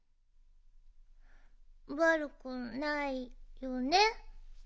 わるくないよね？